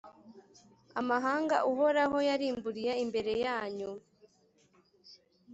amahanga uhoraho yarimburiye imbere yanyu,